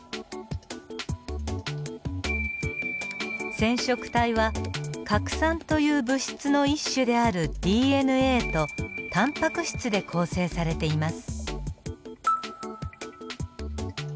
染色体は核酸という物質の一種であるＤＮＡとタンパク質で構成されています。